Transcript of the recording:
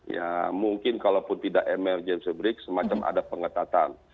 ya mungkin kalaupun tidak mr james ulbricht semacam ada pengetatan